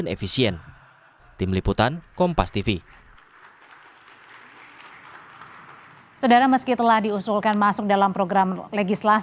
untuk mengatasi kementerian negara yang terbesar